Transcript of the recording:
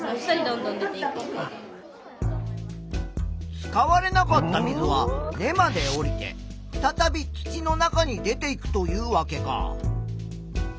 使われなかった水は根まで下りてふたたび土の中に出ていくというわけか。